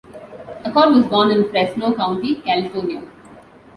Acord was born in Fresno County, California.